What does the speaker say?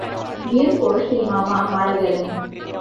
বিয়ের পর সেই মামা মারা গেলেন।